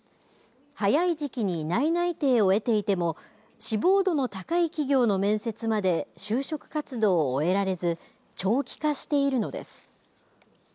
早い時期に内々定を得ていても志望度の高い企業の面接まで就職活動を終えられず長期化しているのです。